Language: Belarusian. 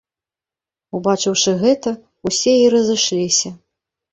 Убачыўшы гэта, усе і разышліся.